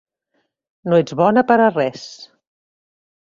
-No ets bona per a res…